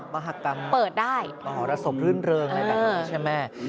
มหากรรมเปิดได้มหรสบรื่นเริงอะไรแบบนี้ใช่ไหม